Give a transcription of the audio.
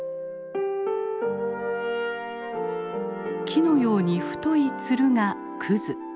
木のように太いつるがクズ。